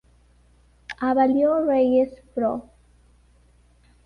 Abilio Reyes; Prof.